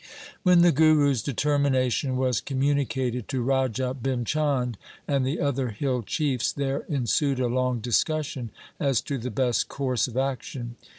When the Guru's determination was communi cated to Raja Bhim Chand and the other hill chiefs, there ensued a long discussion as to the best course of action.